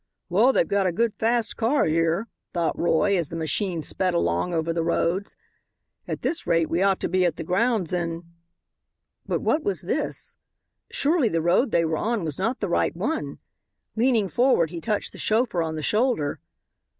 "Well, they've got a good fast car here," thought Roy, as the machine sped along over the roads. "At this rate we ought to be at the grounds in " But what was this? Surely the road they were on was not the right one. Leaning forward he touched the chauffeur on the shoulder.